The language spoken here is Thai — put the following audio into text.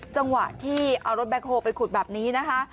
จังหวะที่เอารถแบ็คโฮลไปขุดแบบนี้นะคะ